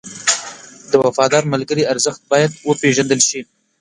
د وفادار ملګري ارزښت باید وپېژندل شي.